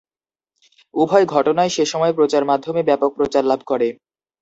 উভয় ঘটনাই সে সময় প্রচার মাধ্যমে ব্যাপক প্রচার লাভ করে।